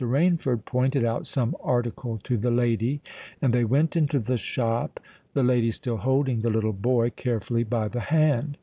Rainford pointed out some article to the lady; and they went into the shop, the lady still holding the little boy carefully by the hand.